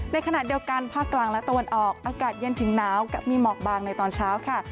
ในขณะเดียวกันภาคกลางและตะวันออกอากาศเย็นถึงหนาวกับมีหมอกบางในตอนเช้าค่ะ